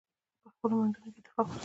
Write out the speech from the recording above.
په خپلو منځونو کې اتفاق وساتئ.